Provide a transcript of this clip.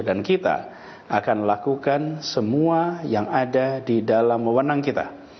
dan kita akan lakukan semua yang ada di dalam mewenang kita